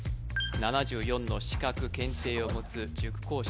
７４の資格・検定を持つ塾講師